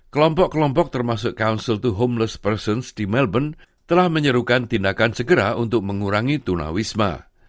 kelompok kelompok termasuk council to homeless persons di melbourne telah menyerukan tindakan segera untuk mengurangi tunawisma